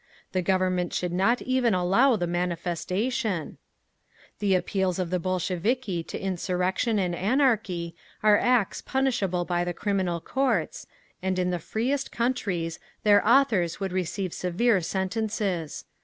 The Government should not even allow the manifestation…. "The appeals of the Bolsheviki to insurrection and anarchy are acts punishable by the criminal courts, and in the freest countries, their authors would receive severe sentences.